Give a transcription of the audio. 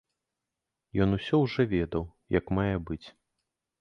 Ён усё ўжо ведаў як мае быць.